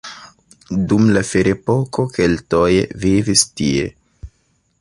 Dum la ferepoko keltoj vivis tie.